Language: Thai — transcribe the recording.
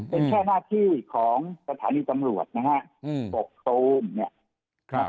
อืมบ๊วยกิร์เป็นแค่หน้าที่ของสถานีตำรวจนะฮะบบโตมเนี่ย